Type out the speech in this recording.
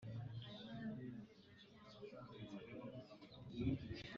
ruherekejwe n’amabwiriza y’uko aya masomo atangwa